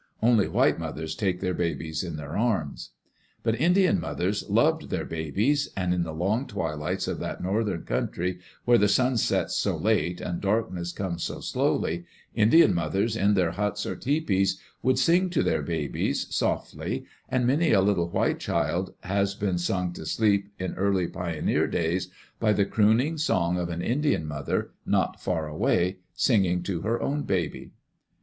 Only white mothers take their babies in their arms. But Indian mothers loved their babies, and In the long twilights of that northern country, where the sun sets so late and darkness comes so slowly, Indian mothers in their huts or tepees would sing to their babies, softly, and many a little white child has been sung to sleep, in early pioneer days, by the crooning song of an Indian mother, not far away, singing to her own baby.